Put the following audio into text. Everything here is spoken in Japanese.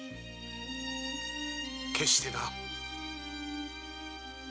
決してな。